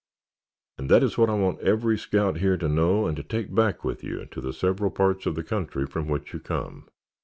And that is what I want every scout here to know and to take back with you to the several parts of the country from which you come.